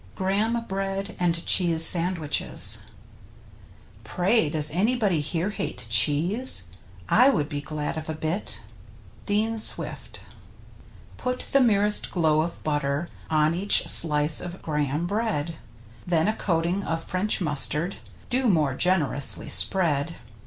^"^ GRAHAM BREAD AND CHEESE SANDWICHES Pray does anybody here hate cheese? I would be glad of a bit. — Dean Srvift. Put the merest glow of butter On each sHce of Graham bread, Then a coating of French mustard Do more generously spread.